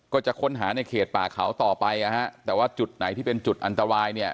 ก็จะค้นหาในเขตป่าเขาต่อไปนะฮะแต่ว่าจุดไหนที่เป็นจุดอันตรายเนี่ย